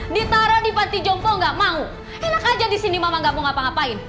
ditaro di panti jompo gak mau enak aja disini emak gak mau ngapa ngapain